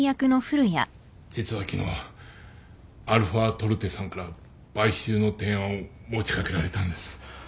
実は昨日αトルテさんから買収の提案を持ち掛けられたんです。